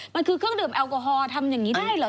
มันคือเครื่องดื่มแอลกอฮอลทำอย่างนี้ได้เหรอ